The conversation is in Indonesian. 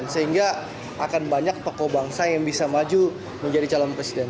sehingga akan banyak tokoh bangsa yang bisa maju menjadi calon presiden